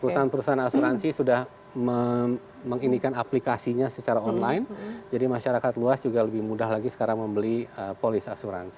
perusahaan perusahaan asuransi sudah mengindikan aplikasinya secara online jadi masyarakat luas juga lebih mudah lagi sekarang membeli polis asuransi